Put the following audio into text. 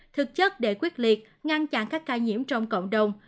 thực chất để quyết liệt ngăn chặn các ca nhiễm trong cộng đồng